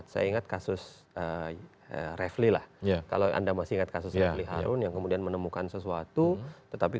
siapa yang melewati